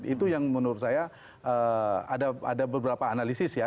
itu yang menurut saya ada beberapa analisis ya